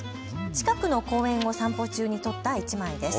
近くの公園を散歩中に撮った１枚です。